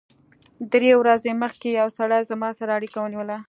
درې ورځې مخکې یو سړي زما سره اړیکه ونیوله